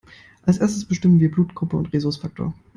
Als Erstes bestimmen wir Blutgruppe und Rhesusfaktor.